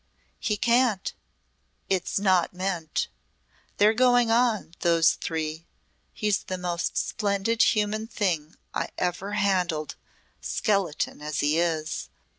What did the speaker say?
"He can't. It's not meant. They're going on, those three. He's the most splendid human thing I ever handled skeleton as he is.